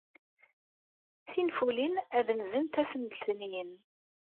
Tinfulin ad nzent ass n letniyen.